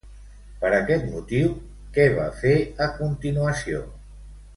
Per aquest motiu, què va fer a continuació?